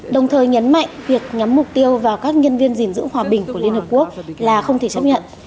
đồng thời nhấn mạnh việc nhắm mục tiêu vào các nhân viên gìn giữ hòa bình của liên hợp quốc là không thể chấp nhận